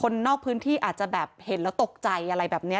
นอกพื้นที่อาจจะแบบเห็นแล้วตกใจอะไรแบบนี้